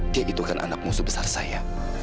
dia itu kan anak musuh besar saya